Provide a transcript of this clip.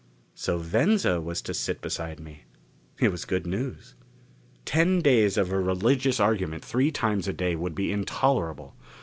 So Venza was to sit beside me. It was good news. Ten days of a religious argument three times a day would be intolerable.